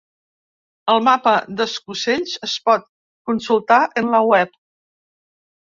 El mapa d’escocells es pot consultar en la web.